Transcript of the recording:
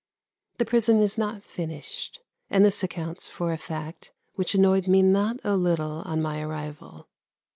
The prison is not finished, and this accounts for a fact which annoyed me not a little on my arrival.